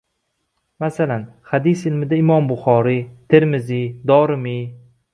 Masalan, hadis ilmida imom Buxoriy, Termiziy, Dorimiy